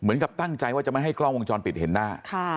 เหมือนกับตั้งใจว่าจะไม่ให้กล้องวงจรปิดเห็นหน้า